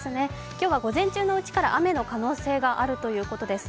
今日は午前中のうちから雨の可能性があるということです。